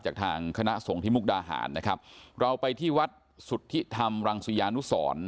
จากทางคณะสงฆ์ที่มุกดาหารนะครับเราไปที่วัดสุทธิธรรมรังศิยานุสร